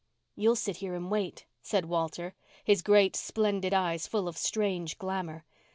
You'll sit here and wait," said Walter, his great, splendid eyes full of strange glamour.